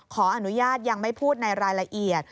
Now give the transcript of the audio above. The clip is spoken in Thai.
ขออนุญาตยังไม่พูดในรายละเอียด